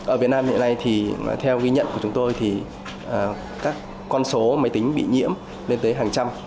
ở việt nam hiện nay thì theo ghi nhận của chúng tôi thì các con số máy tính bị nhiễm lên tới hàng trăm